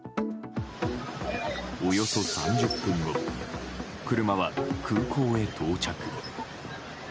およそ３０分後、車は空港へ到着。